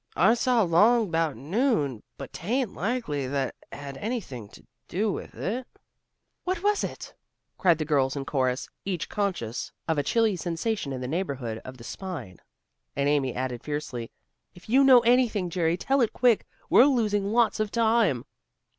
"I saw long 'bout noon but 'tain't likely that had anything to do with it." "What was it?" cried the girls in chorus, each conscious of a chilly sensation in the neighborhood of the spine. And Amy added fiercely, "If you know anything, Jerry, tell it quick! We're losing lots of time."